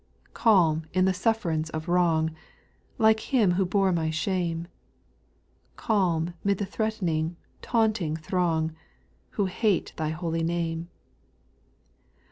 Calm in the suflferance of wrong, Like Him who bore my shame ; Calm 'mid the threatening, taunting throng, Who hate Thy holy name ;— 6.